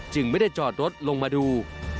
ไม่ได้จอดรถลงมาดู